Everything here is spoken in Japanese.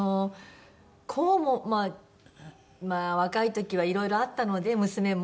こうもまあまあ若い時はいろいろあったので娘も。